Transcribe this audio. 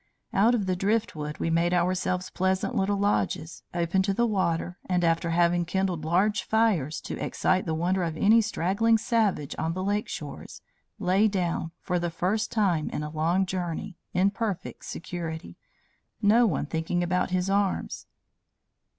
"Out of the driftwood, we made ourselves pleasant little lodges, open to the water, and, after having kindled large fires to excite the wonder of any straggling savage on the lake shores, lay down, for the first time in a long journey, in perfect security; no one thinking about his arms.